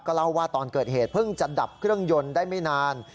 เล่าว่าตอนเกิดเหตุเพิ่งจะดับเครื่องยนต์ได้ไม่นาน